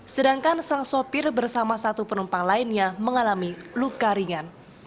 sedangkan sang sopir bersama satu penumpang lainnya mengalami luka ringan